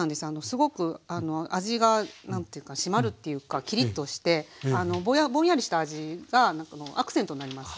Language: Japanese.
すごく味が何て言うか締まるっていうかキリッとしてぼんやりした味がアクセントになります。